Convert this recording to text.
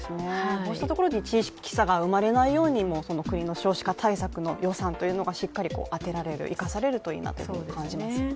こうしたところにも地域差が生まれないように国の少子化対策の予算というのがしっかり充てられる生かされるといいなと感じますね。